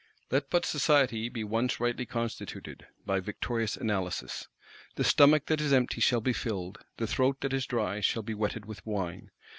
Let but Society be once rightly constituted,—by victorious Analysis. The stomach that is empty shall be filled; the throat that is dry shall be wetted with wine.